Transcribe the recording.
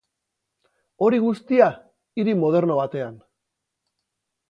Hori guztia, hiri moderno batean.